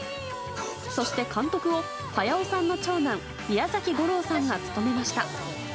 そして監督を駿さんの長男宮崎吾朗さんが務めました。